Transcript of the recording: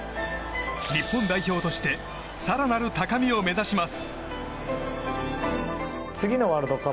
日本代表として更なる高みを目指します。